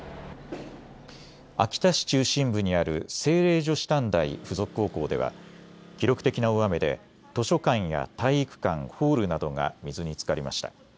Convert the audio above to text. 秋田市中心部にある聖霊女子短大付属高校では記録的な大雨で図書館や体育館、ホールなどが水につかりました。